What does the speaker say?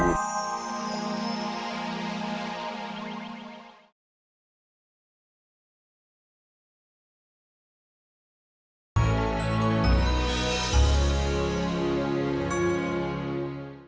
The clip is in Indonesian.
kau tidak bisa mencari obat yang sangat langka